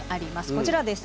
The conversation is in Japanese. こちらです。